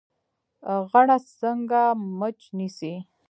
غڼه څنګه مچ نیسي؟